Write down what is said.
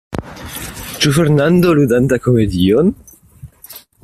Ĉu Fernando ludanta komedion?